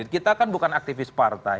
kita kan bukan aktivis partai